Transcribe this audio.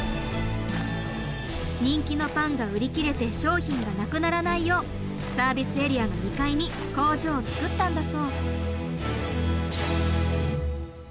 人気のパンが売り切れて商品がなくならないようサービスエリアの２階に工場を作ったんだそう。